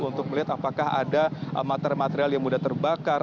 untuk melihat apakah ada material material yang sudah terbakar